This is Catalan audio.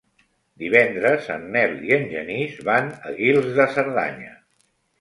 Divendres en Nel i en Genís van a Guils de Cerdanya.